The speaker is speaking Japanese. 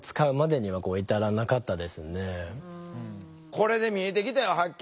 これで見えてきたよはっきり。